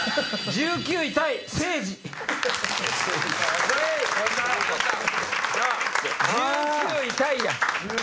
１９位タイ。